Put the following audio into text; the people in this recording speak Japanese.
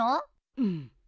うん。